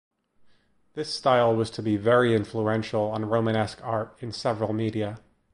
This style was to be very influential on Romanesque art in several media.